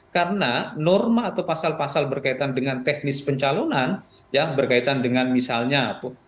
karena norma atau pasal pasal berkaitan dengan teknis pencalonan ya berkaitan dengan misalnya